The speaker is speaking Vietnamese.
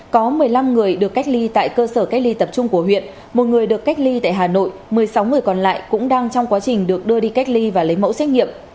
có một mươi năm người được cách ly tại cơ sở cách ly tập trung của huyện một người được cách ly tại hà nội một mươi sáu người còn lại cũng đang trong quá trình được đưa đi cách ly và lấy mẫu xét nghiệm